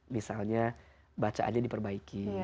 misalnya bacaannya diperbaiki